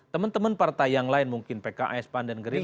teman teman partai yang lain mungkin pki span dan gerindar